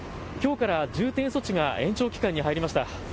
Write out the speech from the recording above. きょうから重点措置が延長期間に入りました。